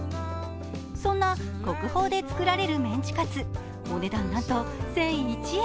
そんな国宝で作られるメンチカツ、お値段なんと１００１円。